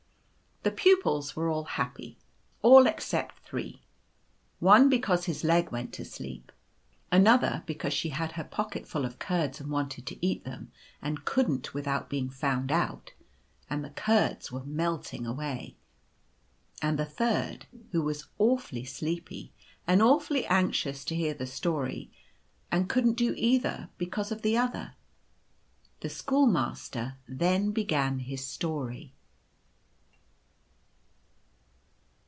The pupils were all happy — all except three. One because his leg went to sleep ; another because she had her pocket full of curds and wanted to eat them, and .*. j couldn't without being found out, and the curds were melting away ; and the third, who was awfully sleepy, and awfully anxious to hear the story, and couldn't do either because of the other. The schoolmaster then began his story.